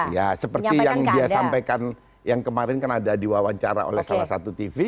ya seperti yang dia sampaikan yang kemarin kan ada diwawancara oleh salah satu tv